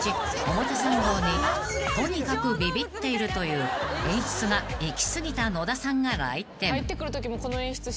表参道にとにかくビビっているという演出がいき過ぎた野田さんが来店］